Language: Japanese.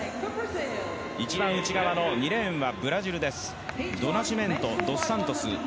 一番内側の２レーンはブラジルです。